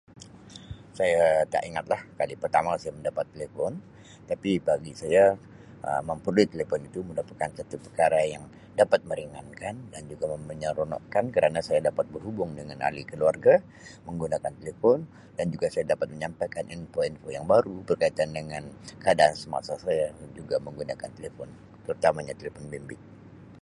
Um Saya tak ingatlah kali pertama saya mendapat telefon tapi bagi saya Um memperoleh telepon itu merupakan satu perkara yang dapat meringankan dan juga mem-menyeronokkan kerana saya dapat berhubung dengan ahli keluarga menggunakan telepon dan juga saya dapat menyampaikan inpo-info yang baru berkaitan dengan keadaan semasa saya dan juga menggunakan telepon terutamanya telepon bimbit.